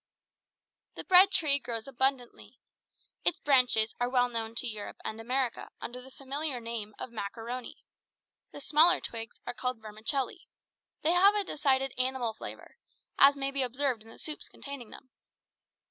"The bread tree grows abundantly. Its branches are well known to Europe and America under the familiar name of maccaroni. The smaller twigs are called vermicelli. They have a decided animal flavor, as may be observed in the soups containing them.